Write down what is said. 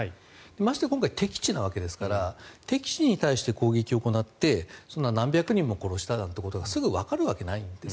ましてや今回敵地なわけですから敵地に対して攻撃を行って何百人も殺したというのがすぐにわかるわけがないんです。